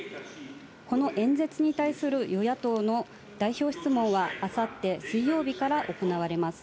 この演説に対する与野党の代表質問は、あさって水曜日から行われます。